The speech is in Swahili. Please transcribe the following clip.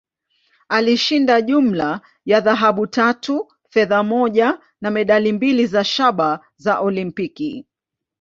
Alishinda jumla ya dhahabu tatu, fedha moja, na medali mbili za shaba za Olimpiki.